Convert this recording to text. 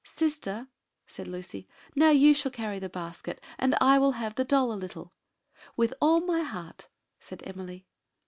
"Sister," said Lucy, "now you shall carry my basket, and I will have the doll a little." "With all my heart," said Emily.